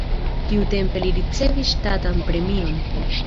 Tiutempe li ricevis ŝtatan premion.